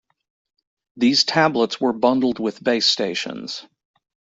These tablets were bundled with Base Stations.